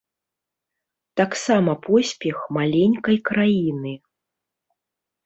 Таксама поспех маленькай краіны.